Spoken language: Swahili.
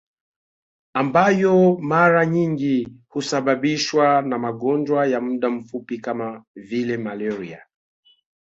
Ambayo mara nyingi husababishwa na magonjwa ya muda mfupi kama vile malaria